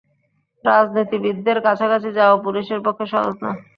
রাজনীতিবিদদের কাছাকাছি যাওয়া পুলিশের পক্ষে সহজ না।